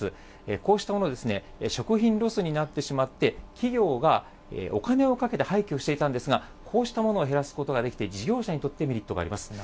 こうしたものですね、食品ロスになってしまって、企業がお金をかけて廃棄をしていたんですが、こうしたものを減らすことができて、事業者にとってメリットがあります。